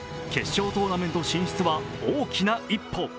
決勝トーナメント進出は大きな一歩。